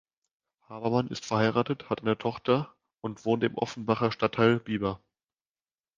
Habermann ist verheiratet, hat eine Tochter und wohnt im Offenbacher Stadtteil Bieber.